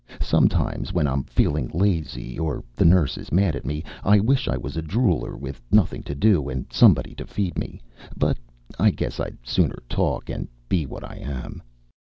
Sometimes, when I'm feeling lazy, or the nurse is mad at me, I wish I was a drooler with nothing to do and somebody to feed me. But I guess I'd sooner talk and be what I am.